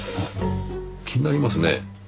気になりますねぇ。